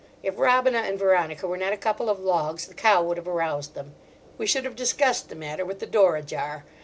If Robina and Veronica were not a couple of logs, the cow would have aroused them. We should have discussed the matter with the door ajar.